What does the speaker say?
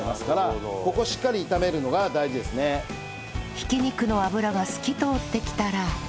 ひき肉の脂が透き通ってきたら